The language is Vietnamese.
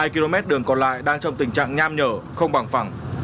hai km đường còn lại đang trong tình trạng nham nhở không bằng phẳng